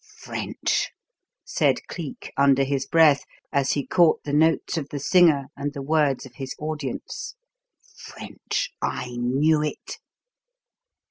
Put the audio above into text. "French!" said Cleek under his breath, as he caught the notes of the singer and the words of his audience "French I knew it!"